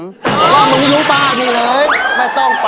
ก็บอกมึงหลุ้นป้าแม่ไม่ต้องไป